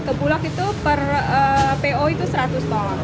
ke bulog itu per po itu seratus ton